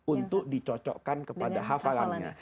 untuk dicocokkan kepada hafalannya